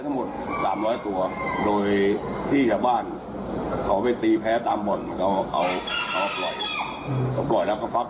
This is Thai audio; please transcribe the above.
ทั้งหมด๓๐๐ตัวโดยที่จะบ้านเขาไปตีแพ้ตามบ่อนก็เอาออกก่อนแล้วก็ฟัก